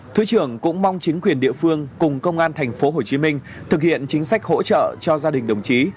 thứ trưởng cũng mong chính quyền địa phương cùng công an tp hcm thực hiện chính sách hỗ trợ cho gia đình đồng chí